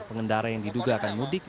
pengendara yang diduga akan mudik